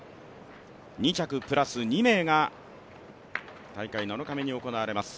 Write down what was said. ２着プラス２名が大会７日目に行われます